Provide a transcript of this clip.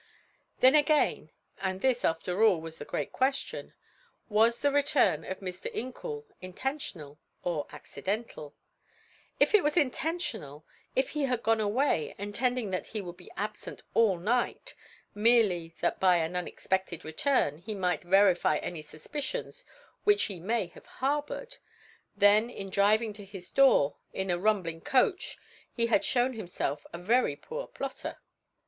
Then again, and this, after all, was the great question: was the return of Mr. Incoul intentional or accidental? If it was intentional, if he had gone away intending that he would be absent all night merely that by an unexpected return he might verify any suspicions which he may have harbored, then in driving to his door in a rumbling coach he had shown himself a very poor plotter.